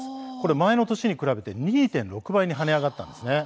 前の年に比べて２．６倍に跳ね上がったんです。